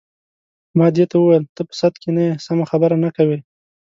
ما دې ته وویل: ته په سد کې نه یې، سمه خبره نه کوې.